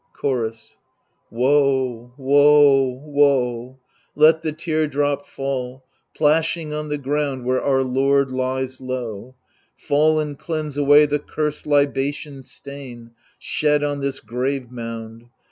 Chorus Woe, woe, woe 1 Let the teardrop fall, plashing on the ground Where our lord lies low : Fall and cleanse away the cursed libation's stain. Shed on this grave mound.